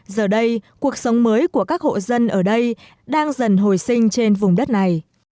giờ đây cuộc sống mới của các hộ dân ở đây đang dần hồi sinh trên vùng đất này